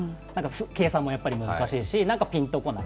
計算も難しいし、なんかピンとこない。